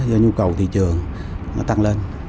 do nhu cầu thị trường nó tăng lên